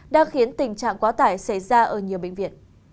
đã khiến tình trạng quá tải xảy ra ở nhiều bệnh viện